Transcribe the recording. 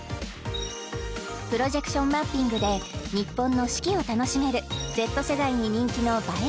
プロジェクションマッピングで日本の四季を楽しめるＺ世代に人気の映え